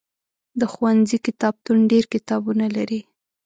د ښوونځي کتابتون ډېر کتابونه لري.